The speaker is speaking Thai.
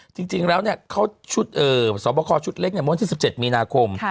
จริงแล้วเขาชุดสอบคอชุดเล็กเมื่อวันที่๑๗มีนาคม